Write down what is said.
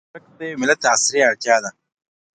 سړک د یوه ملت عصري اړتیا ده.